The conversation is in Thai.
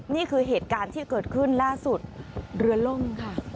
นี่คือเหตุการณ์ที่เกิดขึ้นล่าสุดเรือล่มค่ะ